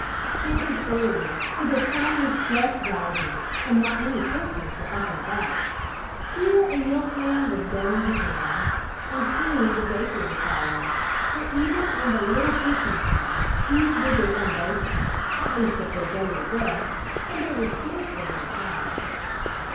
It was early, for the sun was just rising, and not many persons were up and about. Here a milkman was going his rounds, and soon the baker would follow, for even in the little fishing town few did their own baking, at least of their daily bread, and there were scarcely any cows.